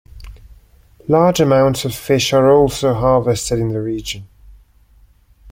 Large amounts of fish are also harvested in the region.